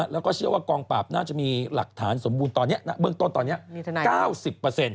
แล้วก็เชื่อว่ากองปราบน่าจะมีหลักฐานสมบูรณ์ตอนนี้เบื้องต้นตอนนี้๙๐